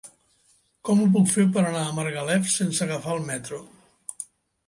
Com ho puc fer per anar a Margalef sense agafar el metro?